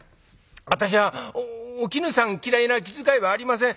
私はお絹さん嫌いな気遣いはありません。